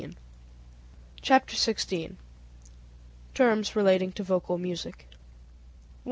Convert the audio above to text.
CHAPTER XVI TERMS RELATING TO VOCAL MUSIC 161.